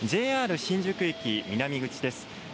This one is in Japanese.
ＪＲ新宿駅南口です。